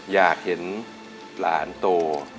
อยากเห็นหลานโต